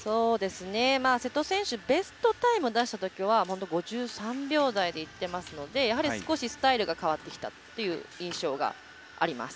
瀬戸選手ベストタイムを出したときは５３秒台でいっていますので少しスタイルが変わってきたという印象があります。